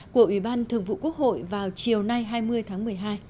của ủy ban thường vụ quốc hội vào chiều nay hai mươi tháng một mươi hai